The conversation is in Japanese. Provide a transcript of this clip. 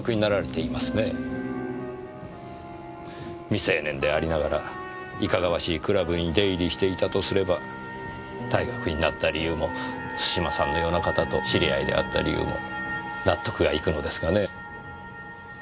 未成年でありながらいかがわしいクラブに出入りしていたとすれば退学になった理由も津島さんのような方と知り合いであった理由も納得がいくのですがね。